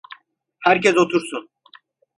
Herkes otursun!